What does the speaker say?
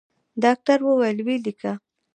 ډاکتر وويل ويې ليکه.